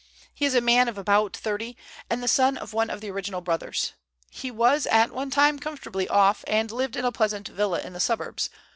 He is a man of about thirty, and the son of one of the original brothers. He was at one time comfortably off, and lived in a pleasant villa in the suburbs.